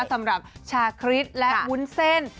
สำหรับชาคริสและวุ้นเส้น